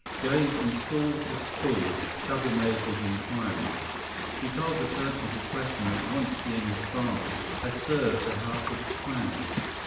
Going from stall to stall, Chuba made his inquiries. He told the persons he questioned that once he and his father had served the House of Kwang.